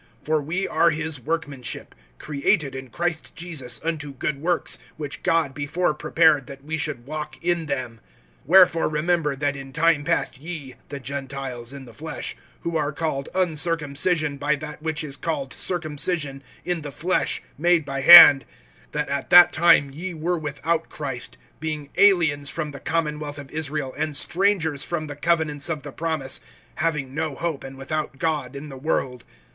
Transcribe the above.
(10)For we are his workmanship, created in Christ Jesus unto good works, which God before prepared that we should walk in them. (11)Wherefore remember, that in time past ye, the Gentiles in the flesh, who are called Uncircumcision by that which is called Circumcision, in the flesh, made by hand, (12)that at that time ye were without Christ, being aliens from the commonwealth of Israel, and strangers from the covenants of the promise, having no hope, and without God in the world.